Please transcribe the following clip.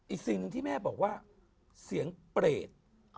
อีกสิ่งที่แม่บอกว่าเสียงเปรต